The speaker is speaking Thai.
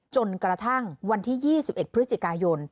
จนกระทั่งวันที่๒๑พฤศจิกายน